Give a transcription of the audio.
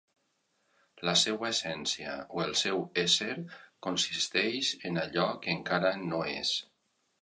La seua essència o el seu ésser consisteix en allò que encara no és.